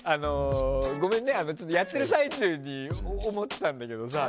やってる最中に思ってたんだけどさ